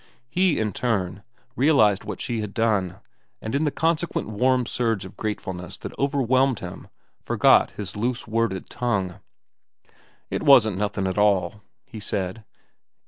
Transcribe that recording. He, in turn, realized what she had done, and in the consequent warm surge of gratefulness that overwhelmed him forgot his loose worded tongue. "It wasn't nothin' at all," he said.